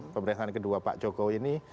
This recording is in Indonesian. pemeriksaan kedua pak jokowi ini